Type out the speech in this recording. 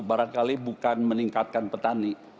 barangkali bukan meningkatkan petani